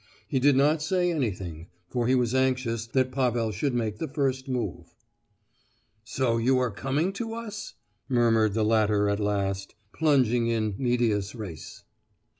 He did not say anything, for he was anxious that Pavel should make the first move. "So you are coming to us?" murmured the latter at last, plunging in medias res.